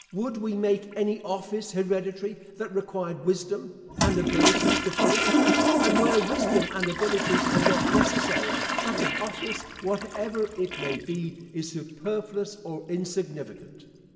Would we make any office hereditary that required wisdom and abilities to fill it? And where wisdom and abilities are not necessary, such an office, whatever it may be, is superfluous or insignificant.